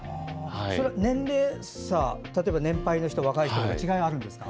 それは年齢差例えば年配の人、若い人と違いがあるんですか？